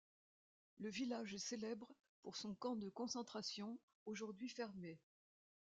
Le village est célèbre pour son camp de concentration aujourd'hui fermé.